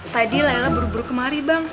tadi layla buru buru kemari bang